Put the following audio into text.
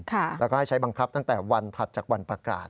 แล้วก็ให้ใช้บังคับตั้งแต่วันถัดจากวันประกาศ